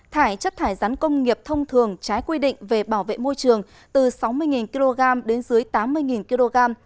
thải chất thải rắn công nghiệp thông thường trái quy định về bảo vệ môi trường từ sáu mươi kg đến dưới tám mươi kg